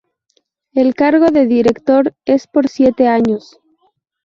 El cargo de director es por siete años.